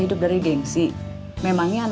untuk bulling ibucomel